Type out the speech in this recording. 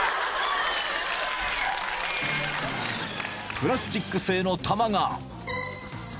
［プラスチック製の弾が］